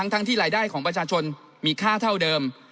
ทั้งที่รายได้ของประชาชนมีค่าเท่าเดิม